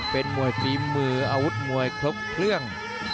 เป็นมวยฝีมืออาวุธมวยครบเครื่อง